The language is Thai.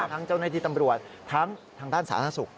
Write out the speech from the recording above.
ทั้งเจ้าหน้าที่ตำรวจทั้งทางด้านสาธารณสุข